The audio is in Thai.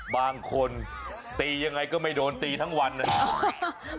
บางทีตียังไงก็ไม่โดนตีทั้งวันนะครับ